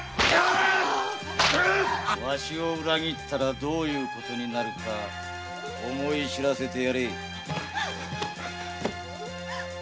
わしを裏切ったらどうなるか思い知らせてやれ！